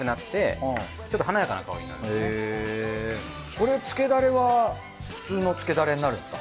これつけだれは普通のつけだれになるんですか？